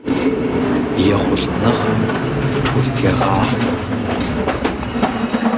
ЕхъулӀэныгъэм гур хегъахъуэ.